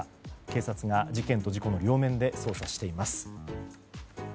警察が事件と事故の両面で捜査しています。